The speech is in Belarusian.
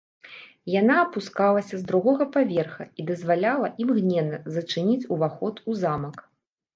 Яна апускалася з другога паверха і дазваляла імгненна зачыніць уваход у замак.